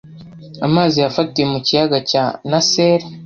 amazi yafatiwe mu kiyaga cya Nasser.